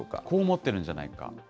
こう思ってるんじゃないか。